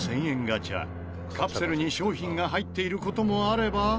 ガチャカプセルに商品が入っている事もあれば。